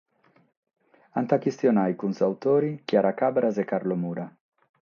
Ant a chistionare cun s’autore Chiara Cabras e Carlo Mura.